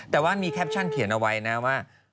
แต่ว่ามีแคปชั่นเขียนเอาไว้นะว่า